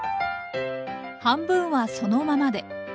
半分はそのままで。